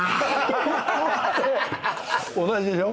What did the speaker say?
同じでしょ？